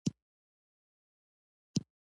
په سیاسي تحولاتو کې ګټه واخلي.